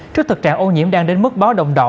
trước thực trạng ô nhiễm đang đến mức báo động đỏ